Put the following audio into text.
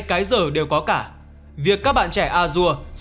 cái dở đều có cả việc các bạn trẻ azure